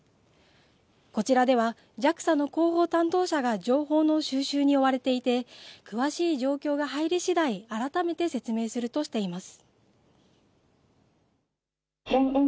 こちらではＪＡＸＡの広報担当者が情報の収集に追われていて詳しい状況が入りしだい改めて説明するとしています。